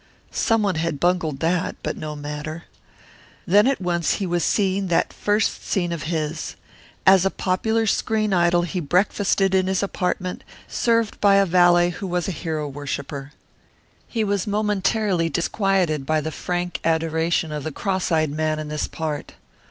Someone had bungled that, but no matter. Then at once he was seeing that first scene of his. As a popular screen idol he breakfasted in his apartment, served by a valet who was a hero worshipper. He was momentarily disquieted by the frank adoration of the cross eyed man in this part.